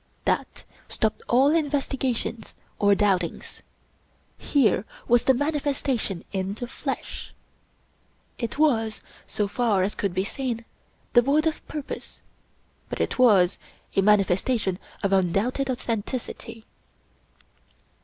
That stopped all investigations or doubtings. Here was the manifesta tion in the flesh. It was, so far as could be seen, devoid of purpose, but it was a manifestation of undoubted authen ticity.